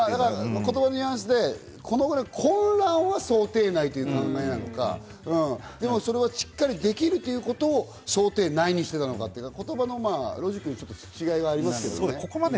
言葉のニュアンスで混乱は想定内という考えなのか、それはしっかりとできるということを想定内にしていたのか、言葉のロジックで違いはありますけどね。